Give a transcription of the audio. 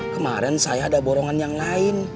kemarin saya ada borongan yang lain